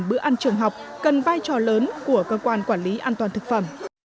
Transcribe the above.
bữa ăn trường học cần vai trò lớn của cơ quan quản lý an toàn thực phẩm